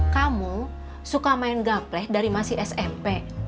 kamu suka main gaplek dari masih smp